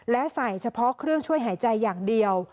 และใส่เฉพาะเครื่องช่วยหายใจอย่างเดียว